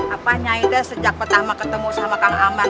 apanya itu sejak pertama ketemu sama kang aman